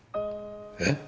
えっ！？